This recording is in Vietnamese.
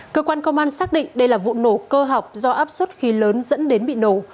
cơ quan công an xác định đây là vụ nổ cơ học do áp suất khí lớn dẫn đến bị nổ